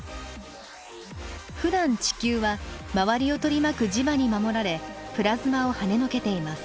ふだん地球は周りを取り巻く磁場に守られプラズマをはねのけています。